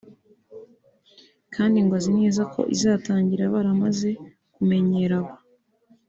kandi ngo azi neza ko izatangira baramaze kumenyeraba